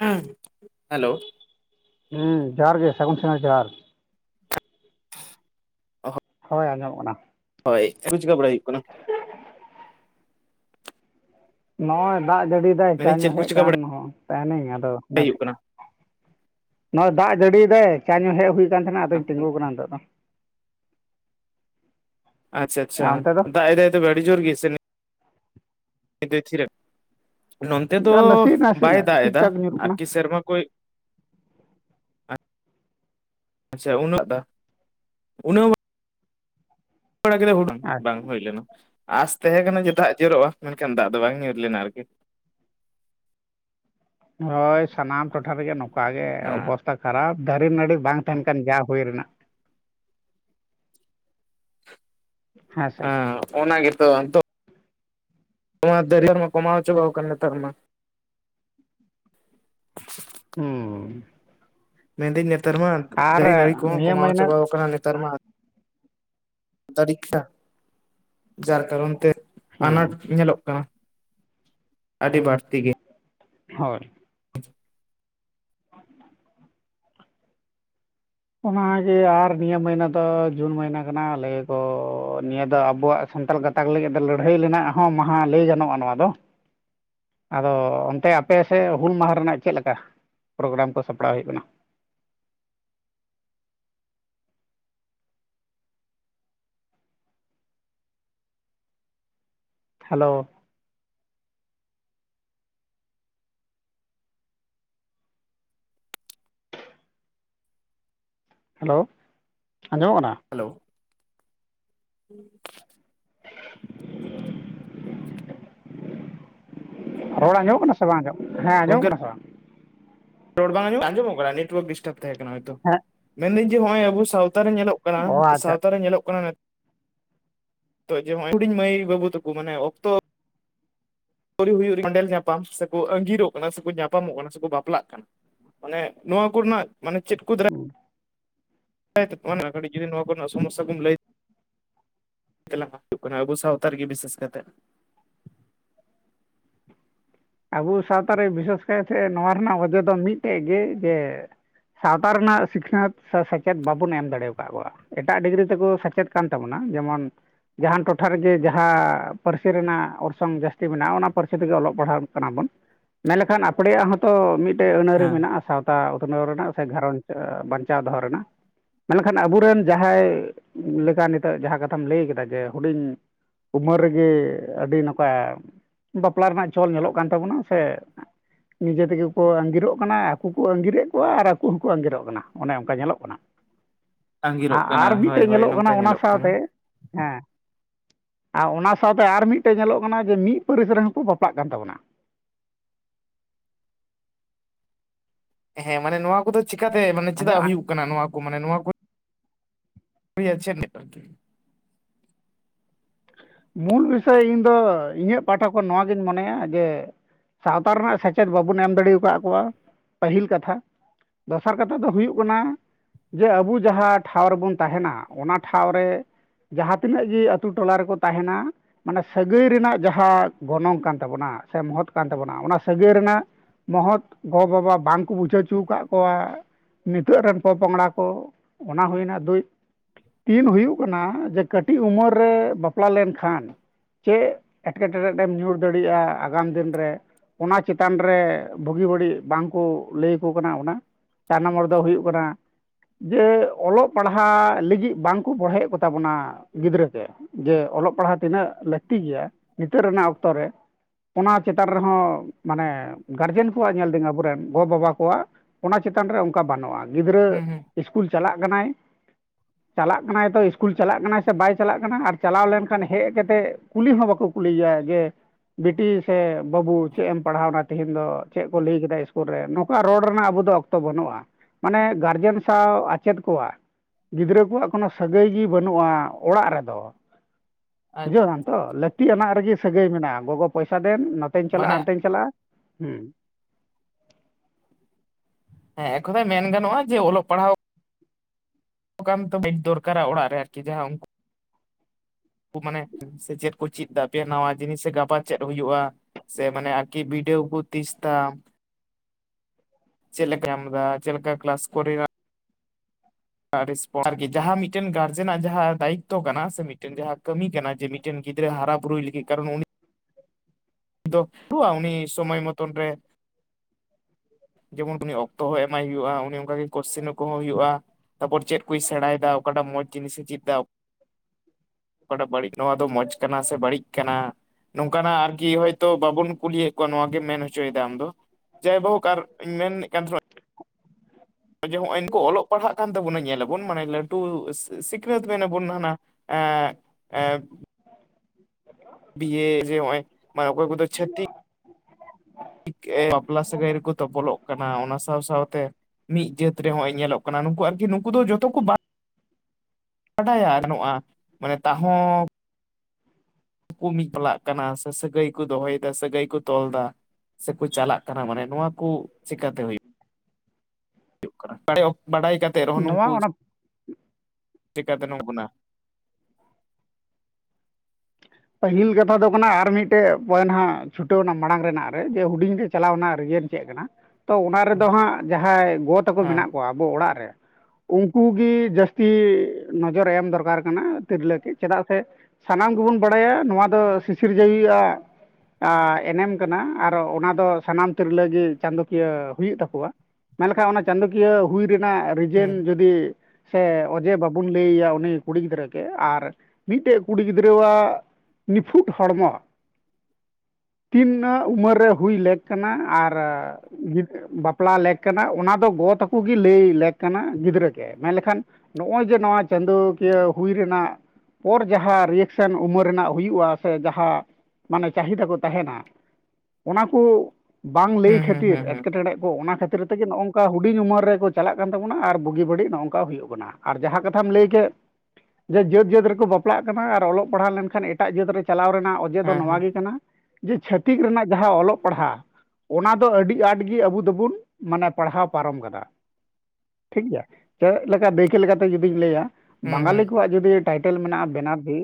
ᱦᱮᱸ ᱦᱮᱞᱳ ᱦᱮᱸ ᱡᱚᱦᱟᱨ ᱜᱮ ᱥᱟᱹᱜᱩᱱ ᱥᱮᱱᱟ ᱡᱚᱦᱟᱨ [unintelligible] ᱟᱡᱚᱸᱢᱚᱜ ᱠᱟᱱᱟ ᱦᱳᱭ ᱪᱤᱠᱟ ᱵᱟᱲᱟ ᱦᱩᱭᱩᱜ ᱠᱟᱱᱟ ᱱᱚᱜᱼᱚᱭ ᱫᱟᱜ ᱡᱟᱹᱲᱤ ᱫᱟᱭ ᱪᱟ ᱢᱮᱱᱫᱟᱹᱧ ᱧᱩ ᱪᱮᱫ ᱠᱚ ᱦᱮᱡ ᱪᱤᱠᱟᱹ ᱠᱟᱱ ᱵᱟᱲᱟᱭ ᱛᱟᱦᱮᱱᱹᱧ ᱟᱫᱚ ᱦᱩᱭᱩᱜ ᱠᱟᱱᱟ ᱱᱚᱜᱼᱚᱭ ᱫᱟᱜ ᱡᱟᱹᱲᱤᱭᱟᱭ ᱪᱟ ᱧᱩ ᱦᱮᱡ ᱦᱩᱭ ᱠᱟᱱ ᱛᱟᱦᱮᱱᱟ ᱟᱫᱚᱧ ᱛᱤᱸᱜᱩ ᱟᱠᱟᱱᱟ ᱱᱤᱛᱚᱜ ᱫᱚ ᱟᱪᱪᱷᱟ ᱟᱨ ᱟᱪᱪᱷᱟ ᱚᱱᱛᱮ ᱫᱚ ᱫᱟᱜ ᱮᱫᱟᱭ ᱛᱚᱵᱮ ᱟᱹᱰᱤ ᱡᱳᱨ ᱜᱮ ᱥᱮ ᱱᱤᱛ ᱫᱚ ᱛᱷᱤᱨ ᱨᱮ ᱱᱚᱱᱛᱮ ᱫᱚ ᱱᱟᱥᱮ ᱵᱟᱭ ᱱᱟᱥᱮᱱᱟᱜ ᱫᱟᱜ ᱴᱷᱤᱠ ᱮᱫᱟ ᱴᱷᱟᱠ ᱧᱩᱨᱩᱜ ᱠᱟᱱᱟ ᱟᱨᱠᱤ ᱥᱮᱨᱢᱟ [inaudible] ᱟᱪᱪᱷᱟ ᱩᱱᱟᱹᱜ ᱫᱚ ᱩᱜ ᱟᱜ ᱦ ᱟᱪᱪᱷᱟ ᱵᱟᱝ ᱱᱟ [inaudible] ᱟᱥ ᱛᱟᱦᱮᱸ ᱠᱟᱱᱟ ᱡᱮ ᱫᱟᱜ ᱡᱩᱨᱚᱜᱼᱟ ᱢᱮᱱᱠᱷᱟᱱ ᱫᱟᱜ ᱫᱚ ᱵᱟᱝ ᱧᱩᱨ ᱞᱮᱱᱟ ᱟᱨᱠᱤ ᱦᱳᱭ ᱥᱟᱱᱟᱢ ᱴᱚᱴᱷᱟ ᱨᱮᱜᱮ ᱱᱚᱝᱠᱟ ᱜᱮ ᱦᱮᱸ ᱚᱵᱚᱥᱛᱟ ᱠᱷᱟᱨᱟᱯ ᱫᱟᱨᱮ ᱱᱟᱹᱲᱤ ᱵᱟᱝ ᱛᱟᱦᱮᱱ ᱠᱷᱟᱱ ᱡᱟ ᱦᱩᱭ ᱨᱮᱱᱟᱜ ᱦᱮᱸ ᱥᱮ ᱦᱚᱸ ᱚᱱᱟ ᱜᱮᱛᱚ ᱱᱚᱣᱟ ᱫᱨᱤ ᱠᱚ ᱠᱚᱢᱟᱣ ᱪᱟᱵᱟ ᱠᱟᱱᱟ ᱱᱮᱛᱟᱨ ᱢᱟ ᱦᱩᱸ ᱢᱮᱱᱫᱟᱹᱧ ᱱᱮᱛᱟᱨ ᱢᱟ ᱟᱨ ᱫᱟᱨᱮ ᱱᱟᱹᱲᱤ ᱠᱚᱸᱦᱚ ᱱᱤᱭᱟᱹ ᱠᱚᱢᱟᱣ ᱢᱟᱹᱦᱱᱟᱹ ᱪᱟᱵᱟᱟᱣ ᱟᱠᱟᱱᱟ ᱱᱮᱸᱛᱟᱨ ᱢᱟ ᱟᱫᱤᱠᱛᱟ ᱡᱟ ᱠᱟᱨᱚᱱ ᱛᱮ ᱦᱩᱸ ᱟᱸᱱᱟᱴ ᱧᱮᱞᱚᱜ ᱠᱟᱱᱟ᱾ ᱟᱹᱰᱤ ᱵᱟᱹᱲᱛᱤ ᱜᱮ ᱦᱳᱸᱭ ᱴᱤᱯ ᱦ [unintelligible] ᱚᱱᱟᱜᱮ ᱟᱨ ᱱᱤᱭᱟᱹ ᱢᱟᱹᱦᱱᱟᱹ ᱫᱚ ᱡᱩᱱ ᱢᱟᱹᱦᱱᱟᱹ ᱠᱟᱱᱟ ᱞᱟᱭ ᱠᱚ ᱱᱤᱭᱟᱹ ᱫᱚ ᱟᱵᱚᱣᱟᱜ ᱥᱟᱱᱛᱟᱞ ᱜᱟᱛᱟᱠ ᱞᱟᱹᱜᱤᱫ ᱫᱚ ᱞᱟᱹᱲᱦᱟᱹᱭ ᱨᱮᱱᱟᱜ ᱦᱚᱸ ᱢᱟᱦᱟ ᱞᱟᱹᱭ ᱜᱟᱱᱚᱜᱼᱟ ᱱᱚᱣᱟ ᱫᱚ ᱦ [unintelligible] ᱟᱹᱫᱚ ᱚᱱᱛᱮ ᱟᱯᱮᱥᱮᱫ ᱦᱩᱸᱞ ᱢᱟᱦᱟ ᱨᱮᱱᱟᱜ ᱪᱮᱫ ᱞᱮᱠᱟ ᱯᱨᱳᱜᱨᱟᱢ ᱠᱚ ᱥᱟᱯᱲᱟᱣ ᱦᱩᱭᱩᱜ ᱠᱟᱱᱟ ᱦᱮᱞᱳ ᱦᱮᱞᱳ ᱟᱸᱡᱚᱢᱚᱜ ᱠᱟᱱᱟ᱾ ᱦᱮᱞᱳ ᱦᱩᱸ ᱨᱚᱲ ᱟᱸᱡᱚᱜ ᱠᱟᱱᱟ ᱥᱮ ᱵᱟᱝ ᱦᱮᱸ ᱟᱸᱡᱚᱢᱚᱜ ᱜᱚᱝᱠᱮ ᱠᱟᱱᱟ ᱥᱮ ᱵᱟᱝ ᱨᱚᱲ ᱵᱟᱝ ᱟᱸᱡᱚᱢᱚᱜ ᱠᱟᱱᱟ ᱱᱮᱴᱳᱣᱟᱨᱠ ᱰᱤᱥᱴᱟᱯ ᱛᱟᱦᱮᱸ ᱠᱟᱱᱟ ᱦᱚᱭᱛᱚ ᱦᱮᱸ ᱢᱮᱱᱫᱟᱹᱧ ᱡᱮ ᱦᱚᱜᱚᱭ ᱟᱵᱚ ᱥᱟᱶᱛᱟ ᱨᱮ ᱧᱮᱞᱚᱜ ᱠᱟᱱᱟ ᱚ ᱟᱪᱪᱷᱟ ᱥᱟᱶᱛᱟ ᱨᱮ ᱧᱮᱞᱚᱜ ᱠᱟᱱᱟ᱾ ᱛᱚ ᱡᱮᱢᱚᱱ ᱦᱩᱸᱰᱤᱧ ᱢᱟᱹᱭ ᱵᱟᱹᱵᱩ ᱛᱟᱠᱚ ᱢᱟᱱᱮ ᱚᱠᱛᱚ ᱟᱣᱨᱤ ᱦᱩᱭᱩᱜ ᱨᱮᱜᱮ ᱠᱚᱰᱮᱞ ᱧᱟᱯᱟᱢ ᱥᱮᱠᱚ ᱟᱸᱜᱤᱨᱚᱜ ᱠᱟᱱᱟ ᱥᱮᱠᱚ ᱧᱟᱯᱟᱢᱚᱜ ᱠᱟᱱᱟ ᱥᱮᱠᱚ ᱵᱟᱹᱯᱞᱟᱜ ᱠᱟᱱᱟ ᱢᱟᱱᱮ ᱱᱚᱣᱟ ᱠᱚ ᱨᱮᱱᱟᱜ ᱢᱟᱱᱮ ᱪᱮᱫ ᱠᱚ ᱫᱟᱨᱟᱭ ᱠᱟᱹᱴᱤᱡ ᱡᱩᱫᱤ ᱱᱚᱣᱟ ᱠᱚᱨᱮᱱᱟᱜ ᱥᱚᱢᱚᱥᱥᱟ ᱵᱤᱱ ᱞᱟᱹᱭ ᱛᱮᱞᱻᱟ ᱦᱩᱭᱩᱜ ᱠᱟᱱᱟ ᱟᱹᱵᱚ ᱥᱟᱶᱛᱟ ᱨᱮᱸᱜᱮ ᱵᱤᱥᱮᱥ ᱠᱟᱛᱮᱫ ᱟᱹᱵᱚ ᱥᱟᱶᱛᱟ ᱨᱮ ᱵᱤᱥᱮᱥ ᱠᱟᱭᱛᱮ ᱱᱚᱣᱟ ᱨᱮᱱᱟᱜ ᱚᱸᱡᱮ ᱫᱚ ᱢᱤᱫᱴᱮᱡ ᱜᱮ ᱡᱮᱸ ᱥᱟᱶᱛᱟ ᱨᱮᱱᱟᱜ ᱥᱤᱠᱷᱱᱟᱛ ᱥᱮ ᱥᱮᱪᱮᱫ ᱵᱟᱵᱚᱱ ᱮᱢ ᱫᱟᱲᱮ ᱟᱠᱟᱫ ᱠᱚᱣᱟ ᱮᱴᱟᱜ ᱰᱤᱜᱽᱨᱤ ᱛᱮᱠᱚ ᱥᱮᱪᱮᱫ ᱠᱟᱱ ᱛᱟᱹᱵᱚᱱᱟ ᱡᱮᱢᱚᱱ ᱡᱟᱦᱟᱱ ᱴᱚᱴᱷᱟ ᱨᱮᱜᱮ ᱡᱟᱸᱦᱟ ᱯᱟᱹᱨᱥᱤ ᱨᱮᱱᱟᱜ ᱚᱨᱥᱚᱝ ᱡᱟᱹᱥᱛᱤ ᱢᱮᱱᱟᱜᱼᱟ ᱚᱱᱟ ᱯᱟᱹᱨᱥᱤ ᱛᱮᱜᱮ ᱚᱞᱚᱜ ᱯᱟᱲᱦᱟᱣ ᱠᱟᱱᱟ ᱵᱚᱱ ᱢᱮᱱ ᱞᱮᱠᱷᱟᱱ ᱟᱯᱲᱮᱭᱟᱜ ᱦᱚᱸᱛᱚ ᱢᱤᱫᱴᱮᱡ ᱟᱹᱱ ᱟᱹᱨᱤ ᱦᱮᱸ ᱢᱮᱱᱟᱜᱼᱟ ᱥᱟᱶᱛᱟ ᱛᱟ ᱩᱛᱱᱟᱹᱣ ᱨᱮᱱᱟᱜ ᱥᱮ ᱜᱷᱟᱨᱚᱸᱡᱽ ᱵᱟᱧᱪᱟᱣ ᱫᱚᱦᱚ ᱨᱮᱱᱟᱜ ᱢᱮᱱᱞᱮᱠᱷᱟᱱ ᱟᱵᱩᱨᱮᱱ ᱡᱟᱸᱦᱟᱭ ᱞᱮᱠᱟ ᱱᱤᱛᱚᱜ ᱡᱟᱸᱦᱟ ᱠᱟᱛᱷᱟᱢ ᱞᱟᱹᱭ ᱠᱮᱫᱟ ᱡᱮ ᱦᱩᱸᱰᱤᱧ ᱩᱢᱮᱨ ᱨᱮᱜᱮ ᱟᱹᱰᱤ ᱱᱚᱝᱠᱟ ᱵᱟᱯᱞᱟ ᱨᱮᱱᱟᱜ ᱪᱚᱞ ᱧᱮᱞᱚᱜ ᱠᱟᱱ ᱛᱟᱵᱚᱱᱟ ᱥᱮ᱾ ᱱᱤᱡᱮ ᱛᱮᱜᱮ ᱠᱚ ᱟᱺᱜᱤᱨᱚᱜ ᱠᱟᱱᱟ ᱟᱠᱩ ᱠᱚ ᱟᱜᱤᱨᱮᱫ ᱠᱚᱣᱟ ᱟᱨ ᱟᱠᱚ ᱦᱚᱸᱠᱚ ᱟᱝᱜᱤᱨᱚᱜ ᱠᱟᱱᱟ ᱚᱱᱮ ᱚᱱᱠᱟ ᱧᱮᱸᱞᱚᱜ ᱠᱟᱱᱟ᱾ ᱟᱺᱜᱤᱨᱚᱜ ᱟ- ᱠᱟᱱᱟ ᱟᱨ ᱦᱳᱭ ᱢᱤᱫᱴᱮᱡ ᱦᱳᱭ ᱠᱟᱱᱟ ᱱᱚᱝᱠᱟ ᱚᱱᱟ ᱧᱮᱞᱚᱜ ᱥᱟᱶᱛᱮ ᱠᱟᱱᱟ᱾ ᱦᱮᱸ ᱟᱨ ᱚᱱᱟ ᱥᱟᱶᱛᱮ ᱟᱨ ᱢᱤᱫᱴᱮᱡ ᱧᱮᱞᱚᱜ ᱠᱟᱱᱟ ᱡᱮ ᱢᱤᱫ ᱯᱟᱹᱨᱤᱥ ᱨᱮᱦᱚᱸ ᱠᱚ ᱵᱟᱯᱞᱟᱜ ᱠᱟᱱ ᱛᱟᱵᱚᱱᱟ᱾ ᱦᱮᱸ ᱢᱟᱱᱮ ᱱᱚᱣᱟ ᱠᱚᱫᱚ ᱪᱤᱠᱟᱛᱮ ᱢᱟᱱᱮ ᱪᱮᱫᱟᱜ ᱟᱸᱡᱚᱢ ᱦᱩᱭᱩᱜ ᱠᱟᱱᱟ ᱱᱚᱣᱟ ᱠᱚ ᱢᱟᱱᱮ ᱱᱚᱣᱟ ᱠᱩ? ᱱᱤᱭᱟ ᱪᱮᱫ ᱵᱮᱯᱟᱨ ᱛᱮ? ᱢᱩᱞ ᱵᱤᱥᱚᱭ ᱤᱧᱫᱚ ᱤᱧᱟᱹᱜ ᱯᱟᱦᱴᱟ ᱠᱷᱚᱱ ᱱᱚᱣᱟᱜᱤᱧ ᱢᱚᱱᱮᱭᱟ ᱡᱮᱸ ᱥᱟᱶᱛᱟ ᱨᱮᱱᱟᱜ ᱥᱮᱪᱮᱫ ᱵᱟᱵᱚᱱ ᱮᱢ ᱫᱟᱲᱮ ᱟᱠᱟᱫ ᱠᱚᱣᱟ ᱯᱟᱹᱦᱤᱞ ᱠᱟᱛᱷᱟ᱾ ᱫᱚᱥᱟᱨ ᱠᱟᱛᱷᱟ ᱫᱚ ᱦᱩᱭᱩᱜ ᱠᱟᱱᱟ᱾ ᱡᱮ ᱟᱵᱩ ᱡᱟᱸᱦᱟ ᱴᱷᱟᱶ ᱨᱮᱵᱚᱱ ᱛᱟᱦᱮᱱᱟ ᱚᱱᱟ ᱴᱷᱟᱶ ᱨᱮ ᱡᱟᱸᱦᱟ ᱛᱤᱱᱟᱹᱜ ᱜᱮ ᱟᱛᱩ ᱴᱚᱞᱟ ᱨᱮᱸᱠᱚ ᱛᱟᱸᱦᱮᱱᱟ᱾ ᱢᱟᱱᱮ ᱥᱟᱹᱜᱟᱹᱭ ᱨᱮᱱᱟᱜ ᱡᱟᱸᱦᱟ ᱜᱚᱱᱚᱝ ᱠᱟᱱ ᱛᱟᱵᱚᱱᱟ ᱥᱮ ᱢᱚᱦᱚᱛ ᱠᱟᱱ ᱛᱟᱵᱚᱱᱟ᱾ ᱚᱱᱟ ᱥᱟᱹᱜᱟᱹᱭ ᱨᱮᱱᱟᱜ ᱢᱚᱦᱚᱛ ᱜᱚ ᱵᱟᱵᱟ ᱵᱟᱝᱠᱚ ᱵᱩᱡᱷᱟᱹᱣ ᱦᱩᱪᱩ ᱟᱠᱟᱹᱫ ᱠᱚᱣᱟ᱾ ᱱᱤᱛᱚᱜ ᱨᱮᱱ ᱯᱚᱼᱯᱚᱝᱲᱟ ᱠᱚ ᱚᱱᱟ ᱦᱩᱭᱱᱟ ᱫᱩᱭ᱾ ᱛᱤᱸᱱ ᱦᱩᱭᱩᱜ ᱠᱟᱱᱟ ᱡᱮ ᱠᱟᱹᱴᱤᱡ ᱩᱢᱮᱨ ᱨᱮ ᱵᱟᱯᱞᱟ ᱞᱮᱱᱠᱷᱟᱱ ᱪᱮᱫ ᱮᱴᱠᱮᱴᱚᱬᱮ ᱧᱩᱨ ᱫᱟᱲᱮᱭᱟᱜᱼᱟ? ᱟᱹᱜᱟᱢ ᱫᱤᱱ ᱨᱮ ᱚᱱᱟ ᱪᱮᱸᱛᱟᱱ ᱨᱮ ᱵᱩᱜᱤ ᱵᱟᱹᱲᱤᱡ ᱵᱟᱝᱠᱚ ᱞᱟᱹᱭ ᱟᱠᱚ ᱠᱟᱱᱟ ᱚᱱᱟ᱾ ᱪᱟᱨ ᱱᱚᱢᱵᱚᱨ ᱫᱚ ᱦᱩᱭᱩᱜ ᱠᱟᱱᱟ᱾ ᱡᱮ ᱚᱸᱞᱚᱜ ᱯᱟᱲᱦᱟᱜ ᱞᱟᱹᱜᱤᱫ ᱵᱟᱝᱠᱚ ᱵᱚᱲᱦᱮᱫ ᱠᱚᱛᱟ ᱵᱚᱱᱟ ᱜᱤᱫᱽᱨᱟᱹ ᱛᱮ᱾ ᱡᱮ ᱚᱞᱚᱜ ᱯᱟᱲᱦᱟᱣ ᱛᱤᱱᱟᱹᱜ ᱞᱟᱹᱠᱛᱤ ᱜᱮᱭᱟ ᱱᱤᱛᱚᱜ ᱨᱮᱱᱟᱜ ᱚᱠᱛᱚ ᱨᱮ ᱚᱱᱟ ᱪᱮᱛᱟᱱ ᱨᱮᱦᱚᱸ ᱢᱟᱱᱮ ᱜᱟᱨᱡᱮᱱ ᱠᱚᱣᱟᱜ ᱧᱮᱞ ᱫᱤᱧ ᱟᱵᱚᱨᱮᱱ ᱜᱚ ᱵᱟᱵᱟ ᱠᱚᱣᱟᱜ ᱚᱱᱟ ᱪᱮᱛᱟᱱ ᱨᱮ ᱚᱱᱠᱟ ᱵᱟᱹᱱᱩᱜᱼᱟ ᱜᱤᱫᱽᱨᱟᱹ ᱦᱩᱸ ᱦᱩᱸ ᱤᱥᱠᱩᱞ ᱪᱟᱞᱟᱜ ᱠᱟᱱᱟᱭ ᱪᱟᱞᱟᱜ ᱠᱟᱱᱟᱭ ᱛᱚ ᱤᱥᱠᱩᱞ ᱪᱟᱞᱟᱜ ᱠᱟᱱᱟᱭ ᱥᱮ ᱵᱟᱭ ᱪᱟᱞᱟᱜ ᱠᱟᱱᱟ ᱟᱨ ᱪᱟᱞᱟᱣ ᱞᱮᱱᱠᱷᱟᱱ ᱦᱮᱡ ᱠᱟᱛᱮ ᱠᱩᱞᱤ ᱦᱚᱸ ᱵᱟᱠᱚ ᱠᱩᱞᱤᱭᱮᱭᱟ ᱡᱮ ᱵᱤᱴᱤ ᱥᱮ ᱵᱟᱹᱵᱩ ᱪᱮᱫ ᱮᱢ ᱯᱟᱲᱦᱟᱣᱱᱟ ᱛᱮᱦᱮᱧ ᱫᱚ ᱪᱮᱫ ᱠᱚ ᱞᱟᱹᱭ ᱠᱮᱫᱟ ᱤᱥᱠᱩᱞ ᱨᱮ ᱱᱚᱝᱠᱟ ᱨᱚᱲ ᱨᱮᱱᱟᱜ ᱟᱵᱚ ᱫᱚ ᱚᱠ ᱛᱚ ᱵᱟᱹᱱᱩᱜᱼᱟ ᱢᱟᱱᱮ ᱜᱟᱨᱡᱮᱱ ᱥᱟᱶ ᱟᱪᱮᱫ ᱠᱚᱣᱟᱜ᱾ ᱜᱤᱫᱽᱨᱟᱹ ᱠᱚᱣᱟᱜ ᱠᱳᱱᱳ ᱥᱟᱹᱜᱟᱹᱭ ᱜᱮ ᱵᱟᱹᱱᱩᱜᱼᱟ ᱚᱲᱟᱜ ᱨᱮ ᱫᱚ᱾ ᱵᱩᱡᱷᱟᱹᱣ ᱫᱟᱢ ᱛᱚ ᱞᱟᱹᱛᱤ ᱟᱱᱟᱜ ᱨᱮᱜᱮ ᱥᱟᱹᱜᱟᱹᱭ ᱢᱮᱱᱟᱜᱼᱟ᱾ ᱜᱚᱜᱚ ᱯᱚᱭᱥᱟ ᱫᱮᱱ ᱱᱚᱛᱮᱧ ᱪᱟᱞᱟᱜᱼᱟ ᱢᱟᱱᱮ ᱦᱟᱱᱛᱮᱧ ᱪᱟᱞᱟᱜᱼᱟ᱾ ᱦᱮᱸ ᱦᱮᱸ ᱮᱠᱷᱚᱱᱚᱸ ᱢᱮᱱ ᱜᱟᱱᱚᱜᱼᱟ᱾ ᱡᱮ ᱚᱞᱚᱜ ᱯᱟᱲᱦᱟᱣ ᱫᱚᱨᱠᱟᱨᱟ ᱚᱲᱟᱜ ᱨᱮ ᱟᱨᱠᱤ ᱡᱟᱦᱟᱸ ᱢᱟᱱᱮ ᱥᱮ ᱪᱮᱫ ᱠᱚ ᱪᱮᱫ ᱫᱟ ᱟᱯᱮᱭᱟᱜ ᱱᱟᱣᱟ᱾ ᱡᱤᱱᱤᱥ ᱥᱮ ᱜᱟᱯᱟ ᱪᱮᱫ ᱦᱩᱭᱩᱜᱼᱟ? ᱥᱮ ᱢᱟᱱᱮ ᱟᱠᱤ ᱵᱤᱰᱮ ᱠᱚ ᱛᱤᱥ ᱛᱟᱢ? ᱪᱮᱫᱞᱮ ᱞᱮᱠᱟ ᱧᱟᱢ ᱫᱟ ᱪᱮᱫ ᱞᱮᱠᱟ ᱠᱞᱟᱥ ᱠᱚ ᱨᱮᱱᱟᱜ ᱯᱟᱨᱠᱤ [unintelligible] ᱡᱟᱦᱟᱸ ᱢᱤᱫᱴᱮᱱ ᱜᱟᱨᱡᱮᱱᱟᱜ ᱡᱟᱦᱟᱸ ᱫᱟᱭᱤᱛᱚ ᱠᱟᱱᱟ ᱥᱮ ᱢᱤᱫᱴᱮᱱ ᱡᱟᱦᱟᱸ ᱠᱟᱹᱢᱤ ᱠᱟᱱᱟ ᱡᱮ ᱢᱤᱫᱴᱮᱱ ᱜᱤᱫᱽᱨᱟᱹ ᱦᱟᱨᱟ ᱵᱩᱨᱩᱭ ᱞᱟᱹᱜᱤᱫ ᱠᱟᱨᱚᱱ ᱩᱱᱤ ᱫᱚ ᱦᱩᱭᱩᱜᱩᱜᱼᱟ ᱩᱱᱤ ᱥᱚᱢᱚᱭ ᱢᱚᱛᱚᱱ ᱨᱮ ᱡᱮᱢᱚᱱ ᱩᱱᱤ ᱚᱠᱛᱚ ᱦᱚᱸ ᱮᱢᱟᱭ ᱦᱩᱭᱩᱜᱼᱟ ᱩᱱᱤ ᱚᱱᱠᱟᱜ ᱜᱮ ᱠᱚᱥᱪᱤᱱᱚ ᱠᱚᱦᱚᱸ ᱦᱩᱭᱩᱜᱼᱟ᱾ ᱛᱟᱯᱚᱨ ᱪᱮᱫ ᱠᱚᱭ ᱥᱮᱬᱟᱭᱮᱫᱟ ᱚᱠᱟᱴᱟᱜ ᱢᱚᱸᱡᱽ ᱡᱤᱱᱤᱥᱮ ᱪᱮᱫ ᱮᱫᱟ ᱚᱠᱟᱴᱟᱜ ᱵᱟᱹᱲᱤᱡ ᱱᱚᱣᱟ ᱫᱚ ᱢᱚᱸᱡᱽ ᱠᱟᱱᱟ ᱥᱮ ᱵᱟᱹᱲᱤᱡ ᱠᱟᱱᱟ ᱱᱚᱝᱠᱟᱱᱟᱜ ᱟᱨ ᱠᱤ ᱦᱚᱭᱛᱳ ᱵᱟᱵᱚᱱ ᱠᱩᱞᱤᱭᱮᱫ ᱠᱚᱣᱟ ᱱᱚ ᱜᱮᱢ ᱢᱮᱱ ᱦᱚᱪᱚᱭ ᱮᱫᱟ ᱟᱢ ᱫᱚ ᱡᱟᱭᱵᱳᱠ ᱟᱨᱧ ᱢᱮᱱᱮᱫ ᱠᱟᱱ ᱛᱟᱦᱮᱱᱟ᱾ ᱮ ᱦᱚᱸᱜᱼᱚᱭ ᱱᱠᱩ ᱚᱞᱚᱜ ᱯᱟᱲᱦᱟᱜ ᱠᱟᱱ ᱛᱟᱵᱚᱱᱟ ᱧᱮᱞᱟᱵᱚᱱ ᱢᱟᱱᱮ ᱞᱟᱹᱴᱩ ᱥᱤᱠᱷᱱᱟᱹᱛ ᱢᱮ ᱟᱵᱚᱱ ᱦᱟᱱᱟ᱾ ᱮᱜ ᱮᱨ [inaudible] ᱵᱤᱭ ᱡᱮ ᱦᱚᱭ ᱢᱟᱱ ᱚᱠᱚᱭ ᱠᱚᱫᱚ ᱪᱷᱟᱹᱛᱤ ᱠ ᱮ ᱵᱟᱯᱞᱟ ᱥᱟᱹᱜᱟᱹᱭ ᱨᱮ ᱠᱚ ᱛᱚᱯᱚᱞᱚᱜ ᱠᱟᱱᱟ᱾ ᱚᱱᱟ ᱥᱟᱶ ᱥᱟᱶ ᱛᱮ ᱢᱤᱫ ᱡᱟᱹᱛ ᱨᱮ ᱱᱚᱜᱼᱚᱭ ᱧᱮᱞᱚᱜ ᱠᱟᱱᱟ ᱱᱩᱠᱩ ᱟᱨᱠᱤ ᱱᱩᱠᱩ ᱫᱚ ᱡᱚᱛᱚ ᱠᱚ ᱵᱟᱫ ᱵᱟᱰᱟᱭᱟ ᱱᱚᱼᱟ ᱢᱟᱱᱮ ᱛᱟᱦ ᱦᱚᱸ ᱠᱚ ᱢᱤᱫ ᱯᱞᱟᱜ ᱠᱟᱱᱟ ᱥᱮ ᱥᱟᱹᱜᱟᱹᱭ ᱠᱚ ᱫᱚᱦᱚᱭᱮᱫᱟ ᱥᱟᱹᱜᱟᱹᱭ ᱠᱚ ᱛᱚᱞ ᱮᱫᱟ᱾ ᱥᱮᱠᱚ ᱪᱟᱞᱟᱜ ᱠᱟᱱᱟ ᱢᱟᱱᱮ ᱱᱚᱶᱟᱠᱩ ᱪᱮᱠᱟᱛᱮ ᱦᱳᱭᱳᱼᱟ ᱵᱟᱲᱟᱭ ᱠᱟᱛᱮ ᱨᱮᱦᱚᱸ ᱱᱩᱠᱩ ᱱᱚᱣᱟ ᱚᱱᱟ ᱪᱤᱠᱟᱹᱛᱮ ᱱᱚᱝᱠᱟ ᱱᱟ ᱯᱟᱹᱦᱤᱞ ᱠᱟᱛᱷᱟ ᱫᱚ ᱠᱟᱱᱟ ᱟᱨ ᱢᱤᱫᱴᱮᱡ ᱯᱚᱭᱮᱱᱴ ᱦᱟᱸᱜ ᱪᱷᱩᱴᱟᱹᱣ ᱮᱱᱟ ᱢᱟᱲᱟᱝ ᱨᱮᱱᱟᱜ ᱨᱮ ᱡᱮ ᱦᱩᱰᱤᱧ ᱨᱮ ᱪᱟᱞᱟᱣᱱᱟ ᱨᱤᱭᱮᱱ ᱪᱮᱫ ᱠᱟᱱᱟ ᱛᱚ ᱚᱱᱟ ᱨᱮᱫᱚ ᱦᱟᱸᱜ ᱡᱟᱦᱟᱸᱭ ᱜᱚ ᱛᱟᱠᱚ ᱢᱮᱱᱟᱜ ᱦᱮᱸ ᱠᱚᱣᱟ ᱟᱵᱚ ᱚᱲᱟᱜ ᱨᱮ ᱩᱱᱠᱩ ᱜᱮ ᱡᱟᱹᱥᱛᱤ ᱱᱚᱡᱚᱨ ᱮᱢ ᱫᱚᱨᱠᱟᱨ ᱠᱟᱱᱟ ᱛᱤᱨᱞᱟᱹ ᱴᱷᱮᱡ ᱪᱮᱫᱟᱜ ᱥᱮ ᱥᱟᱱᱟᱢ ᱜᱮᱵᱚᱱ ᱵᱟᱲᱟᱭᱟ ᱱᱚᱣᱟ ᱫᱚ ᱥᱤᱥᱤᱨᱡᱟᱹᱣᱤᱡᱼᱟᱜ ᱮᱱᱮᱢ ᱠᱟᱱᱟ ᱟᱨ ᱚᱱᱟ ᱫᱚ ᱥᱟᱱᱟᱢ ᱛᱤᱨᱞᱟᱹ ᱜᱮ ᱪᱟᱸᱫᱳᱠᱤᱭᱟᱹ ᱦᱩᱭᱩᱜ ᱛᱟᱠᱚᱣᱟ ᱾ ᱢᱮᱱᱠᱷᱟᱱ ᱚᱱᱟ ᱪᱟᱸᱫᱳᱚᱠᱤᱭᱟᱹ ᱦᱩᱭ ᱨᱮᱱᱟᱜ ᱦᱩᱸ ᱨᱤᱡᱮᱱ ᱡᱩᱫᱤ ᱥᱮ ᱚᱡᱮ ᱵᱟᱵᱚᱱ ᱞᱟᱹᱭᱮᱭᱟ ᱩᱱᱤ ᱠᱩᱲᱤ ᱜᱤᱫᱽᱨᱟᱹ ᱜᱮ ᱟᱨ ᱢᱤᱫᱴᱮᱡ ᱠᱩᱲᱤ ᱜᱤᱫᱽᱨᱟᱹ ᱣᱟᱜ ᱱᱤᱯᱷᱩᱴ ᱦᱚᱲᱢᱚ ᱛᱤᱱᱟᱹᱜ ᱩᱢᱮᱨ ᱨᱮ ᱦᱩᱭ ᱞᱮᱠ ᱠᱟᱱᱟ ᱟᱨ ᱵᱟᱯᱞᱟ ᱞᱮᱠ ᱠᱟᱱᱟ ᱚᱱᱟ ᱫᱚ ᱜᱚ ᱛᱟᱠᱚ ᱜᱮ ᱞᱟᱹᱭ ᱞᱮᱠ ᱠᱟᱱᱟ ᱜᱤᱫᱽᱨᱟᱹ ᱜᱮ ᱢᱮᱱ ᱞᱮᱠᱷᱟᱱ ᱱᱚᱜᱼᱚᱭ ᱡᱮ ᱱᱚᱣᱟ ᱪᱟᱸᱫᱚᱳ ᱠᱤᱭᱟᱹ ᱦᱩᱭ ᱨᱮᱱᱟᱜ ᱯᱚᱨ ᱡᱟᱦᱟᱸ ᱨᱤᱭᱮᱠᱥᱮᱱ ᱩᱢᱮᱨ ᱨᱮᱱᱟᱜ ᱦᱩᱭᱩᱜᱼᱟ ᱥᱮ ᱡᱟᱦᱟᱸ ᱢᱟᱱᱮ ᱪᱟᱹᱦᱤᱫᱟ ᱠᱚ ᱛᱟᱦᱮᱱᱟ ᱚᱱᱟ ᱠᱚ ᱵᱟᱝ ᱞᱟᱹᱭ ᱦᱩᱸ ᱦᱩᱸ ᱠᱷᱟᱹᱛᱤᱨ ᱦᱩᱸ ᱦᱩᱸ ᱮᱴᱠᱮᱴᱚᱬᱮᱜ ᱠᱚ ᱚᱱᱟ ᱠᱷᱟᱹᱛᱤᱨ ᱛᱮ ᱛᱮᱜᱮ ᱱᱚᱜᱼ ᱱᱚᱝᱠᱟ ᱦᱩᱰᱤᱧ ᱩᱢᱮᱨ ᱨᱮᱠᱚ ᱪᱟᱞᱟᱜ ᱠᱟᱱ ᱛᱟᱵᱚᱱᱟ ᱟᱨ ᱵᱩᱜᱤ ᱵᱟᱹᱲᱤᱡ ᱱᱚᱜᱼᱚ ᱱᱚᱠᱟ ᱦᱩᱭᱩᱜ ᱠᱟᱱᱟ ᱟᱨ ᱡᱟᱦᱟᱸ ᱠᱟᱛᱷᱟᱢ ᱞᱟᱹᱭ ᱠᱮᱫ ᱡᱮ ᱡᱟᱹᱛ ᱡᱟᱹᱛ ᱨᱮᱠᱚ ᱵᱟᱯᱞᱟᱜ ᱠᱟᱱᱟ ᱟᱨ ᱚᱞᱚᱜ ᱯᱟᱲᱦᱟᱣ ᱞᱮᱱᱠᱷᱟᱱ ᱮᱴᱟᱜ ᱡᱟᱹᱛ ᱨᱮ ᱪᱟᱞᱟᱣ ᱨᱮᱱᱟᱜ ᱚᱡᱮ ᱫᱚ ᱦᱮᱸ ᱱᱚᱣᱟ ᱦᱮᱸ ᱜᱮ ᱠᱟᱱᱟ ᱡᱮ ᱪᱷᱟᱹᱛᱤᱠ ᱨᱮᱱᱟᱜ ᱡᱟᱦᱟᱸ ᱚᱞᱚᱜ ᱯᱟᱲᱦᱟᱣ ᱚᱱᱟ ᱫᱚ ᱟᱹᱰᱤ ᱟᱸᱴ ᱜᱮ ᱟᱵᱚ ᱫᱚᱵᱚᱱ ᱢᱟᱱᱮ ᱯᱟᱲᱦᱟᱣ ᱯᱟᱨᱚᱢ ᱠᱟᱫᱟ ᱴᱷᱤᱠ ᱜᱮᱭᱟ ᱪᱮᱫ ᱞᱮᱠᱟ ᱫᱟᱹᱭᱠᱟᱹ ᱞᱮᱠᱟᱛᱮ ᱡᱩᱫᱤᱧ ᱞᱟᱹᱭᱟ ᱦᱩᱸ ᱵᱟᱝᱜᱟᱞᱤ ᱦᱩᱸ ᱠᱚᱣᱟᱜ ᱡᱩᱫᱤ ᱴᱟᱭᱴᱮᱞ ᱢᱮᱱᱟᱜᱼᱟ ᱵᱮᱱᱟᱨᱡᱤ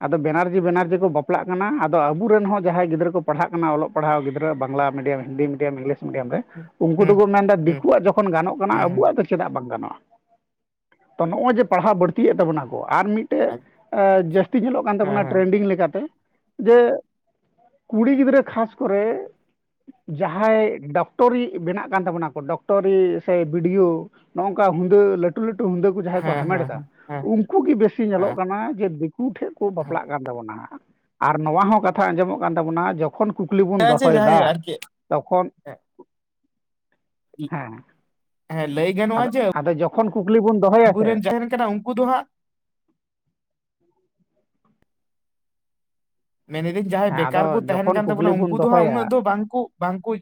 ᱟᱫᱚ ᱵᱮᱱᱟᱨᱡᱤ ᱵᱮᱱᱟᱨᱡᱤ ᱠᱚ ᱵᱟᱯᱞᱟᱜ ᱠᱟᱱᱟ ᱟᱫᱚ ᱟᱵᱚᱨᱮᱱ ᱦᱚᱸ ᱡᱟᱦᱟᱸᱭ ᱜᱤᱫᱽᱨᱟᱹ ᱠᱚ ᱯᱟᱲᱦᱟᱜ ᱠᱟᱱᱟ ᱚᱞᱚᱜ ᱯᱟᱲᱦᱟᱣ ᱜᱤᱫᱽᱨᱟᱹ Bangla medium, Hindi medium, English medium ᱨᱮ ᱩᱱᱠᱩ ᱦᱩᱸ ᱦᱩᱸ ᱦᱩᱸ ᱫᱚᱠᱚ ᱢᱮᱱᱫᱟ ᱦᱩᱸ ᱫᱤᱠᱩᱣᱟᱜ ᱡᱚᱠᱷᱚᱱ ᱜᱟᱱᱚᱜ ᱠᱟᱱᱟ ᱦᱮᱸ ᱦᱮᱸ ᱟᱵᱚᱣᱟᱜ ᱫᱚ ᱪᱮᱫᱟᱜ ᱵᱟᱝ ᱜᱟᱱᱚᱜᱼᱟ ᱾ ᱛᱚ ᱱᱚᱜᱼᱚᱭ ᱡᱮ ᱯᱟᱲᱦᱟᱣ ᱵᱟᱹᱲᱛᱤᱭᱮᱫ ᱛᱟᱵᱚᱱᱟ ᱠᱚ ᱟᱨ ᱢᱤᱫ ᱢᱤᱫᱴᱮᱡ ᱡᱟᱹᱥᱛᱤ ᱧᱮᱞᱚᱜ ᱠᱟᱱ ᱦᱮᱸ ᱛᱟᱵᱚᱱᱟ ᱴᱨᱮᱱᱰᱤᱝ ᱞᱮᱠᱟᱛᱮ ᱡᱮ ᱠᱩᱲᱤ ᱜᱤᱫᱽᱨᱟᱹ ᱠᱷᱟᱥ ᱠᱚᱨᱮ ᱡᱟᱦᱟᱸᱭ ᱰᱚᱠᱴᱚᱨᱤ ᱵᱮᱱᱟᱜ ᱠᱟᱱ ᱛᱟᱵᱚᱱᱟ ᱠᱚ ᱰᱚᱠᱴᱚᱨᱤ ᱥᱮ ᱵᱤᱰᱤᱭᱳ ᱱᱚᱜᱝᱠᱟ ᱦᱩᱸᱫᱟᱹ ᱞᱟᱹᱴᱩ ᱞᱟᱹᱴᱩ ᱦᱩᱸᱫᱟᱹ ᱠᱚ ᱡᱟᱦᱟᱸᱭ ᱠᱚ ᱦᱮᱸ ᱦᱟᱢᱮᱴ ᱫᱟ ᱦᱮᱸ ᱦᱮᱸ ᱩᱱᱠᱩ ᱩᱱᱠᱩ ᱜᱮ ᱵᱮᱥᱤ ᱧᱮᱞᱚᱜ ᱠᱟᱱᱟ ᱡᱮ ᱫᱤᱠᱩ ᱴᱷᱮᱱ ᱠᱚ ᱵᱟᱯᱞᱟᱜ ᱠᱟᱱ ᱛᱟᱵᱚᱱᱟ ᱦᱟᱸᱜ ᱟᱨ ᱱᱚᱣᱟ ᱦᱚᱸ ᱠᱟᱛᱷᱟ ᱟᱸᱡᱚᱢᱚᱜ ᱠᱟᱱ ᱛᱟᱵᱚᱱᱟ ᱡᱚᱠᱷᱚᱱ ᱠᱩᱠᱞᱤ ᱵᱚᱱ ᱦᱮᱸ ᱡᱮ ᱫᱚᱦᱚᱭ ᱡᱟᱦᱟᱸᱭ ᱫᱟ ᱟᱨᱠᱤ ᱛᱚᱠᱷᱚᱱ ᱦᱮᱸ ᱦᱮᱸᱫᱚ ᱟᱫᱚ ᱡᱚᱠᱷᱚᱱ ᱠᱷᱚᱱ ᱠᱩᱠᱞᱤ ᱵᱚᱱ ᱫᱚᱦᱚᱭᱟ ᱥᱮ ᱟᱹᱵᱩᱨᱮᱱ ᱡᱟᱦᱮᱱ ᱠᱟᱱᱟ ᱩᱱᱠᱩ ᱫᱚ ᱦᱟᱸᱜ ᱢᱮᱱ ᱤᱫᱟᱹᱧ ᱡᱟᱦᱟᱸᱭ ᱦᱮᱸ ᱵᱮᱠᱟᱨ ᱟᱫᱚ ᱠᱚ ᱛᱟᱦᱮᱱ ᱡᱚᱠᱷᱚᱱ ᱠᱟᱱ ᱠᱩᱠᱞᱤ ᱛᱟᱵᱚᱱᱟ ᱵᱚᱱ ᱩᱱᱠᱩ ᱫᱚ ᱦᱟᱸᱜ ᱩᱱᱟᱹᱜ ᱫᱚᱦᱚᱭᱟ ᱫᱚ ᱵᱟᱝᱠᱩ ᱵᱟᱝᱠᱩ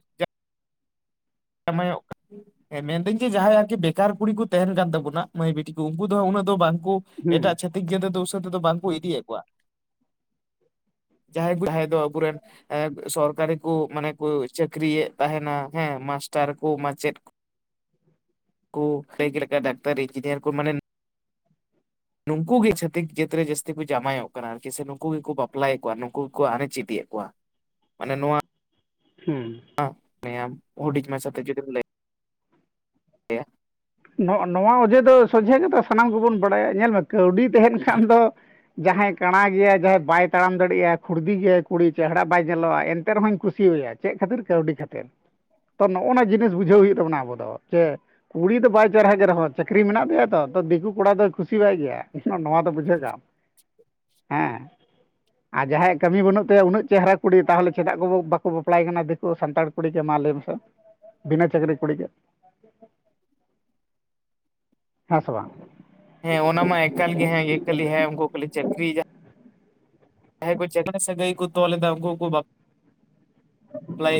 ᱡᱟᱢᱟᱭᱚᱜ ᱠᱟᱱᱟ ᱮᱸ ᱢᱮᱱᱫᱟᱹ ᱡᱮ ᱡᱟᱦᱟᱸᱭ ᱟᱨᱠᱤ ᱵᱮᱠᱟᱨ ᱠᱩᱲᱤ ᱠᱚ ᱛᱟᱦᱮᱱ ᱠᱟᱱ ᱛᱟᱵᱚᱱᱟ ᱢᱟᱹᱭ ᱵᱤᱴᱤ ᱠᱚ ᱩᱱᱠᱩ ᱫᱚ ᱩᱱᱟᱹᱜ ᱫᱚ ᱵᱟᱝᱠᱩ ᱦᱩᱸ ᱮᱴᱟ ᱪᱷᱟᱹᱛᱤᱠ ᱡᱮᱛᱮ ᱫᱚ ᱩᱥᱟᱹᱛᱮ ᱫᱚ ᱵᱟᱝ ᱠᱚ ᱫᱤᱭᱮᱜ ᱠᱚᱣᱟ ᱡᱟᱦᱟᱸᱭ ᱠᱚ ᱡᱟᱦᱟᱸᱭ ᱫᱚ ᱟᱹᱵᱩᱨᱮᱱ ᱮ ᱥᱚᱨᱠᱟᱨᱤ ᱠᱚ ᱢᱟᱱᱮ ᱠᱚ ᱪᱟᱹᱠᱨᱤᱭᱮᱫ ᱛᱟᱦᱮᱱᱟ ᱦᱮᱸ ᱢᱟᱥᱼ ᱼᱠᱟᱨ ᱠᱚ, ᱢᱟᱪᱮᱫ ᱞᱟᱹᱭ ᱠᱮᱫ ᱞᱮᱠᱟ ᱰᱟᱠᱛᱟᱨ, ᱤᱧᱡᱤᱱᱤᱭᱟᱨ ᱠᱚ ᱢᱟᱱᱮ ᱱᱩᱱᱠᱩ ᱜᱮ ᱪᱷᱟᱹᱛᱤᱠ ᱡᱟᱹᱛ ᱨᱮ ᱡᱟᱹᱥᱛᱤ ᱠᱚ ᱡᱟᱢᱟᱭᱚᱜ ᱠᱟᱱᱟ ᱟᱨᱠᱤ ᱥᱮ ᱱᱩᱠᱩ ᱜᱮᱠᱚ ᱵᱟᱯᱞᱟᱭᱮᱫ ᱠᱚᱣᱟ, ᱱᱩᱠᱩ ᱜᱮᱠᱚ ᱟᱱᱮᱪ ᱤᱫᱤᱭᱮᱫ ᱠᱚᱣᱟ ᱢᱟᱱᱮ ᱱᱚᱣᱟ ᱦᱩᱸ ᱦᱰᱤᱧ ᱢᱟᱪᱷᱟ ᱛᱮ ᱡᱩᱫᱤᱢ ᱞᱟᱹᱭ ᱟᱭᱟ ᱱᱚᱣᱟ ᱚᱡᱮ ᱫᱚ ᱥᱚᱡᱷᱮ ᱠᱟᱛᱷᱟ ᱥᱟᱱᱟᱢ ᱠᱚᱵᱚᱱ ᱵᱟᱲᱟᱭᱟ ᱧᱮᱞ ᱢᱮ ᱠᱟᱹᱣᱰᱤ ᱛᱟᱦᱮᱱ ᱠᱷᱟᱱ ᱫᱚ ᱡᱟᱦᱟᱸᱭ ᱠᱟᱬᱟ ᱜᱮᱭᱟᱭ ᱡᱟᱦᱟᱸᱭ ᱵᱟᱭ ᱛᱟᱲᱟᱢ ᱫᱟᱲᱮᱭᱟᱜᱼᱟ ᱠᱷᱩᱲᱫᱤ ᱜᱮᱭᱟᱭ ᱠᱩᱲᱤ ᱪᱮᱦᱮᱨᱟ ᱵᱟᱭ ᱧᱮᱞᱚᱜᱼᱟ ᱮᱱᱛᱮ ᱨᱮᱦᱚᱸᱧ ᱠᱩᱥᱤᱣᱟᱭᱟ ᱪᱮᱫ ᱠᱷᱟᱹᱛᱤᱨ ᱠᱟᱹᱣᱰᱤ ᱠᱷᱟᱹᱛᱤᱨ ᱾ ᱛᱚ ᱱᱚᱜᱼᱚ ᱱᱚᱣᱟ ᱡᱤᱱᱤᱥ ᱵᱩᱡᱷᱟᱹᱣ ᱦᱩᱭᱩᱜ ᱛᱟᱵᱚᱱᱟ ᱟᱵᱚ ᱫᱚ ᱡᱮ ᱠᱩᱲᱤ ᱫᱚ ᱵᱟᱭ ᱪᱟᱨ ᱦᱟᱡᱟᱨ ᱦᱚᱸ ᱾ ᱪᱟᱹᱠᱨᱤ ᱢᱮᱱᱟᱜ ᱛᱟᱭᱮᱭᱟ ᱛᱚ ᱫᱤᱠᱩ ᱠᱚᱲᱟ ᱫᱚᱭ ᱠᱩᱥᱤ ᱣᱟᱭ ᱜᱮᱭᱟ ᱱᱚᱣᱟ ᱫᱚ ᱵᱩᱡᱷᱟᱹᱜ ᱠᱟᱜᱼᱟᱢ ᱦᱮᱸ ᱟᱨ ᱡᱟᱦᱟᱸᱭᱟᱜ ᱠᱟᱹᱢᱤ ᱵᱟᱹᱱᱩᱜ ᱛᱟᱭᱟ ᱩᱱᱟᱹᱜ ᱪᱮᱦᱨᱟ ᱠᱩᱲᱤ ᱛᱟᱦᱚᱞᱮ ᱪᱮᱫᱟᱜ ᱠᱚ ᱵᱟᱠᱚ ᱵᱟᱯᱞᱟᱭ ᱠᱟᱱᱟ ᱥᱟᱱᱛᱟᱲ ᱠᱩᱲᱤ ᱜᱮ ᱢᱟᱞᱟᱹᱭ ᱢᱮ ᱥᱮ ᱵᱤᱱᱟᱹ ᱪᱟᱹᱠᱨᱤ ᱠᱩᱲᱤ ᱜᱮ ᱦᱮᱸ ᱥᱮ ᱵᱟᱝ ᱦᱮᱸ ᱚᱱᱟ ᱢᱟ ᱮᱠᱟᱞ ᱜᱮ ᱦᱮᱸ ᱠᱷᱟᱹᱞᱤ ᱦᱮᱸ ᱩᱱᱠᱩ ᱠᱷᱟᱹᱞᱤ ᱪᱟᱹᱠᱨᱤᱭ ᱠᱟᱜᱼᱼ ᱡᱟᱦᱟᱸᱭ ᱠᱚ ᱪᱬᱮ ᱥᱟᱹᱜᱟᱹᱭ ᱠᱚ ᱛᱚᱞ ᱮᱫᱟ ᱩᱱᱠᱩ ᱠᱚ ᱵᱟᱼᱼ ᱞᱟᱹᱭ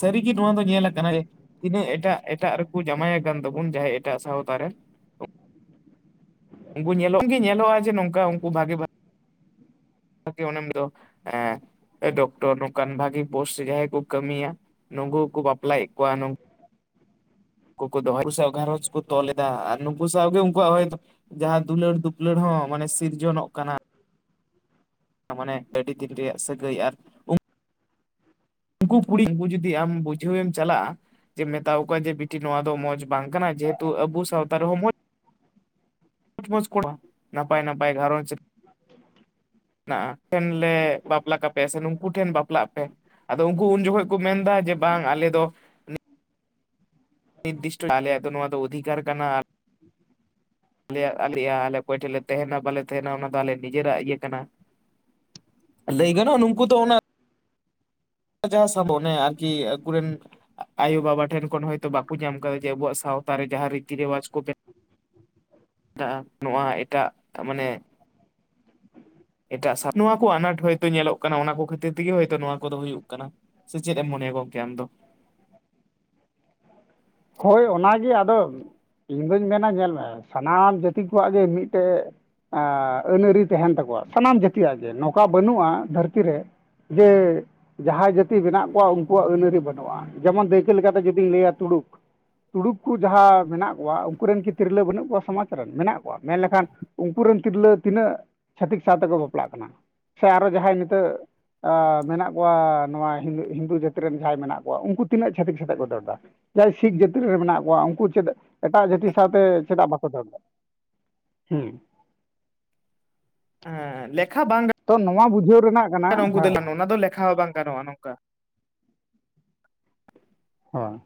ᱥᱟᱹᱨᱤᱜᱮ ᱱᱚᱣᱟ ᱫᱚ ᱧᱮᱞᱟᱠᱟᱱᱟ ᱡᱮ ᱛᱤᱱᱟᱹᱜ ᱮᱴᱟᱜ ᱮᱴᱟᱜ ᱨᱮᱠᱚ ᱡᱟᱶᱟᱭᱟ ᱠᱟᱱ ᱛᱟᱵᱚᱱ ᱡᱟᱦᱟᱸᱭ ᱮᱴᱟᱜ ᱥᱟᱶᱛᱟᱨ ᱨᱮ ᱩᱱᱠᱩ ᱧᱮᱞᱚᱜ ᱜᱮ ᱧᱮᱞᱚᱜᱼᱟ ᱡᱮ ᱱᱚᱝᱠᱟ ᱩᱱᱠᱩ ᱵᱷᱟᱜᱤ ᱵᱷᱟᱜᱽ ᱵᱷᱮ ᱮ ᱫᱚ ᱮ ᱰᱚᱠᱴᱚᱨ ᱱᱚᱝᱠᱟᱱ ᱵᱷᱟᱜᱤ ᱯᱳᱨᱥᱴ ᱡᱟᱦᱟᱸᱭ ᱠᱚ ᱠᱟᱹᱢᱤᱭᱟ᱾ ᱱᱩᱠᱩᱠᱚ ᱵᱟᱯᱞᱟᱭᱮᱫ ᱠᱚᱣᱟ ᱩᱱᱠᱩ ᱫᱚᱦᱚᱠᱩ ᱥᱟᱶ ᱜᱷᱟᱨᱚᱸᱡᱽ ᱠᱚ ᱛᱚᱞ ᱮᱫᱟ ᱟᱨ ᱱᱩᱠᱩ ᱥᱟᱶᱜᱮ ᱩᱱᱠᱩᱣᱟᱜ ᱦᱚᱭᱛᱚ ᱡᱟᱦᱟᱸ ᱫᱩᱞᱟᱹᱲ ᱫᱩᱯᱞᱟᱹᱲ ᱦᱚᱸ ᱢᱟᱱᱮ ᱥᱤᱨᱡᱚᱱᱚᱜ ᱠᱟᱱᱟ ᱢᱟᱱᱮ ᱟᱹᱰᱤ ᱫᱤᱱ ᱨᱮᱭᱟᱜ ᱥᱟᱹᱜᱟᱹᱭ ᱟᱨ ᱩᱱᱠᱩ ᱠᱩᱲᱤᱠᱩ ᱡᱩᱫᱤ ᱟᱢ ᱵᱩᱡᱷᱟᱹᱣᱢ ᱪᱟᱞᱟᱜᱼᱟ ᱮ ᱢᱮᱛᱟᱣ ᱟᱠᱚᱣᱟ ᱡᱮ ᱵᱤᱴᱤ ᱱᱚᱣᱟ ᱫᱚ ᱢᱚᱸᱡᱽ ᱵᱟᱝ ᱠᱟᱱᱟ ᱡᱮᱦᱮᱛᱩ ᱟᱵᱚ ᱥᱟᱶᱛᱟ ᱨᱮᱦᱚᱸ ᱢᱚᱸᱡᱽ ᱢᱚᱪ ᱢᱚᱪ ᱠᱚᱲᱟ ᱱᱟᱯᱟᱭ ᱱᱟᱯᱟᱭ ᱜᱷᱟᱨᱚᱸᱡᱽ ᱮᱱ ᱞᱮ ᱵᱟᱯᱞᱟ ᱠᱟᱯᱮᱭᱟ ᱥᱮ ᱱᱩᱠᱩ ᱴᱷᱮᱱ ᱵᱟᱯᱞᱟᱜ ᱯᱮ ᱟᱫᱚ ᱩᱱᱠᱩ ᱩᱱ ᱡᱚᱠᱷᱚᱱ ᱠᱚ ᱢᱮᱱᱫᱟ ᱡᱮ ᱵᱟᱝ ᱟᱞᱮ ᱫᱚ ᱱᱤᱨᱫᱤᱥᱴᱚ ᱟᱞᱮ ᱟᱚ ᱱᱚᱣᱟ ᱫᱚ ᱚᱫᱷᱤᱠᱟᱨ ᱠᱟᱱᱟ ᱟᱞᱮ ᱟᱞᱮᱭᱟᱜ ᱟᱞᱮ ᱚᱠᱚᱭ ᱴᱷᱮᱡ ᱞᱮ ᱛᱟᱦᱮᱱᱟ ᱵᱟᱞᱮ ᱛᱟᱦᱮᱱᱟ ᱚᱱᱟ ᱫᱚ ᱟᱞᱮ ᱱᱤᱡᱮᱨᱟᱜ ᱤᱭᱟᱹ ᱠᱟᱱᱟ ᱞᱟᱹᱭ ᱜᱟᱱᱚᱜᱼᱟ ᱱᱩᱝᱠᱩ ᱫᱚ ᱚᱱᱟ ᱡᱟᱦᱟᱸ ᱥᱟᱵᱚ ᱚᱱᱮ ᱟᱨᱠᱤ ᱟᱠᱩᱨᱮᱱ ᱟᱭᱳᱵᱟᱵᱟ ᱴᱷᱮᱱ ᱠᱷᱚᱱ ᱦᱚᱭᱛᱳ ᱵᱟᱠᱚ ᱧᱟᱢ ᱟᱠᱟᱫᱟ ᱡᱮ ᱟᱵᱚᱣᱟᱜ ᱥᱟᱶᱛᱟ ᱨᱮ ᱡᱟᱦᱟᱸ ᱨᱤᱛᱤ ᱨᱮᱣᱟᱡᱽ ᱠᱚ ᱛᱟᱜ-ᱟ ᱱᱚᱣᱟ ᱮᱴᱟᱜ ᱢᱟᱱᱮ ᱮᱴᱟᱜ ᱥᱟ ᱱᱚᱣᱟ ᱠᱚ ᱟᱱᱟᱴ ᱦᱚᱭᱛᱳ ᱧᱮᱞᱚᱜ ᱠᱟᱱᱟ ᱚᱱᱟ ᱠᱚ ᱠᱷᱟᱹᱛᱤᱨ ᱛᱮᱜᱮ ᱦᱳᱭᱛᱚ ᱱᱚᱣᱟ ᱠᱚᱫᱚ ᱦᱩᱭᱩᱜ ᱠᱟᱱᱟ ᱥᱮ ᱪᱮᱫ ᱮᱢ ᱢᱚᱱᱮᱭᱟ ᱜᱚᱝᱠᱮ ᱟᱢ ᱫᱚ [inaudible] ᱦᱳᱭ ᱚᱱᱟᱜᱮ ᱟᱫᱚ ᱤᱧ ᱫᱩᱧ ᱢᱮᱱᱟ ᱧᱮᱞ ᱢᱮ ᱥᱟᱱᱟᱢ ᱡᱟᱹᱛᱤ ᱠᱚᱣᱟᱜ ᱜᱮ ᱢᱤᱫᱴᱮᱡ ᱮᱸ ᱟᱹᱱ ᱟᱹᱨᱤ ᱛᱟᱦᱮᱱ ᱛᱟᱠᱚᱣᱟ ᱥᱟᱱᱟᱢ ᱡᱟᱹᱛᱤᱭᱟᱜ ᱜᱮ ᱱᱚᱝᱠᱟ ᱵᱟᱹᱱᱩᱜᱼᱟ ᱫᱷᱟᱹᱨᱛᱤ ᱨᱮ ᱡᱮ ᱡᱟᱦᱟᱸᱭ ᱡᱟᱹᱛᱤ ᱢᱮᱱᱟᱜ ᱠᱚᱣᱟ ᱩᱱᱠᱩᱣᱟᱜ ᱟᱹᱱ ᱟᱹᱨᱤ ᱵᱟᱹᱱᱩᱜᱼᱟ ᱡᱮᱢᱚᱱ ᱫᱟᱹᱭᱠᱟᱹ ᱞᱮᱠᱟᱛᱮ ᱡᱩᱫᱤᱧ ᱞᱟᱹᱭᱟ ᱛᱩᱲᱩᱠ ᱛᱩᱲᱩᱠ ᱠᱚ ᱡᱟᱦᱟᱸ ᱢᱮᱱᱟᱜ ᱠᱚᱣᱟ ᱩᱱᱠᱩ ᱨᱮᱱ ᱠᱤ ᱛᱤᱨᱞᱟᱹ ᱵᱟᱹᱱᱩᱜ ᱠᱚᱣᱟ ᱥᱚᱢᱟᱡᱽ ᱨᱮᱱ ᱢᱮᱱᱟᱜ ᱠᱚᱣᱟ ᱢᱮᱱ ᱞᱮᱠᱷᱟᱱ ᱩᱱᱠᱩ ᱨᱮᱱ ᱛᱤᱨᱞᱟᱹ ᱛᱤᱱᱟᱹᱜ ᱪᱷᱟᱹᱛᱤᱠ ᱥᱟᱶ ᱛᱮᱠᱚ ᱵᱟᱯᱞᱟᱜ ᱠᱟᱱᱟ ᱥᱮ ᱟᱨᱚ ᱡᱟᱦᱟᱸᱭ ᱱᱤᱛᱚᱜ ᱢᱮᱱᱟᱜ ᱠᱚᱣᱟ ᱱᱚᱣᱟ ᱦᱤᱱᱫᱩ ᱡᱟᱹᱛᱤ ᱨᱮᱱ ᱡᱟᱦᱟᱸᱭ ᱢᱮᱱᱟᱜ ᱠᱚᱣᱟ ᱩᱱᱠᱩ ᱛᱤᱱᱟᱹᱜ ᱪᱷᱟᱹᱛᱤᱠ ᱥᱟᱛᱮᱜ ᱠᱚ ᱫᱟᱹᱲ ᱫᱟ ᱡᱟᱦᱟᱸᱭ ᱥᱤᱠᱷ ᱡᱟᱹᱛᱤ ᱨᱮ ᱢᱮᱱᱟᱜ ᱠᱚᱣᱟ ᱩᱱᱠᱩ ᱪᱮᱫ ᱮᱴᱟᱜ ᱡᱟᱹᱛᱤ ᱥᱟᱶᱛᱮ ᱪᱮᱫᱟᱜ ᱵᱟᱠᱚ ᱫᱟᱹᱲ ᱫᱟ ᱦᱮᱸ ᱦᱮᱸ ᱞᱮᱠᱷᱟ ᱵᱟᱝ ᱛᱚ ᱱᱚᱣᱟ ᱵᱩᱡᱷᱟᱹᱣ ᱨᱮᱱᱟᱜ ᱠᱟᱱᱟ ᱩᱱᱠᱩ ᱫᱚ ᱦᱮᱸ ᱞᱟᱱ [unintelligible] ᱚᱱᱟ ᱫᱚ ᱞᱮᱠᱷᱟ ᱦᱚᱸ ᱵᱟᱝ ᱜᱟᱱᱚᱜᱼᱟ ᱱᱚᱝᱠᱟ ᱦᱳᱭ